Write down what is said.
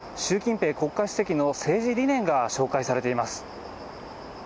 中には習近平国家主席の政治理念が紹介されています。